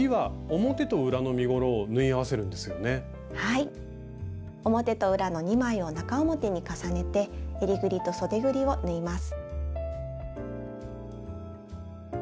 表と裏の２枚を中表に重ねてえりぐりとそでぐりを縫います。